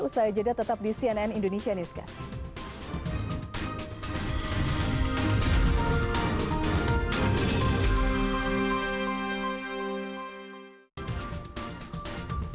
usai jeda tetap di cnn indonesia newscast